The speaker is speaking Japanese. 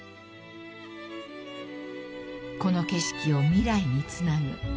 ［この景色を未来につなぐ］